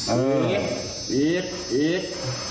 เออปี๊ด